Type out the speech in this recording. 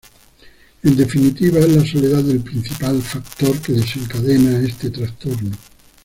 En definitiva, es la soledad el principal factor que desencadena este trastorno.